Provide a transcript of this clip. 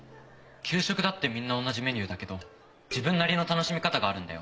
給食だってみんな同じメニューだけど自分なりの楽しみ方があるんだよ。